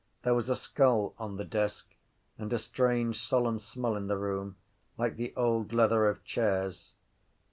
There was a skull on the desk and a strange solemn smell in the room like the old leather of chairs.